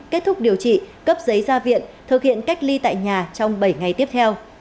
kết thúc điều trị cấp giấy ra viện thực hiện cách ly tại nhà trong bảy ngày tiếp theo